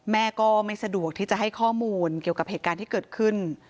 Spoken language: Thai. แม่ก็ไม่สะดวกที่จะให้ข้อมูลเกี่ยวกับเหตุการณ์ที่เกิดขึ้น